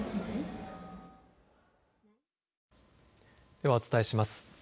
ではお伝えします。